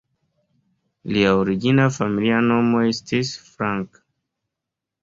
Lia origina familia nomo estis "Frank".